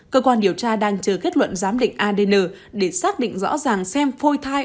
cơ quan điều tra đang chờ kết luận giám định adn để xác định rõ ràng xem phôi thai